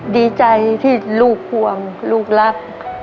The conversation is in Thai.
ดีใจที่ลูกห่วงลูกรัก